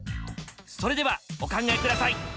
それではお考え下さい。